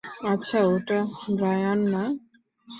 আচ্ছা, ওটা ব্রায়ান না?